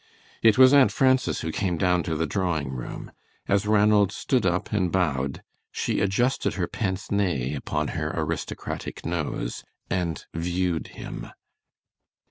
It was Aunt Frances who came down to the drawing room. As Ranald stood up and bowed, she adjusted her pince nez upon her aristocratic nose, and viewed him.